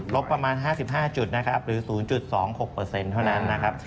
ลบประมาณ๕๕จุดนะครับหรือ๐๒๖เปอร์เซ็นต์เท่านั้นนะครับ